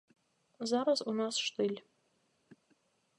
Зараз у нас штыль.